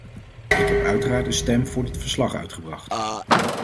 Ik heb uiteraard een stem voor dit verslag uitgebracht.